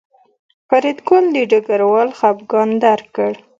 فریدګل د ډګروال خپګان درک کړ